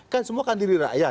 kan semua kan diri rakyat